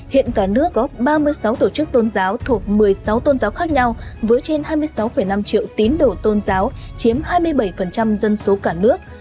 ba mươi sáu tổ chức tôn giáo thuộc một mươi sáu tôn giáo khác nhau với trên hai mươi sáu năm triệu tín đồ tôn giáo chiếm hai mươi bảy dân số cả nước